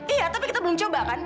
iya tapi kita belum coba kan